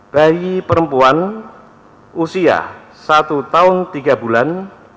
bayi perempuan usia satu tahun tiga bulan